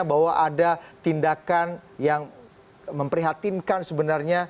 bahwa ada tindakan yang memprihatinkan sebenarnya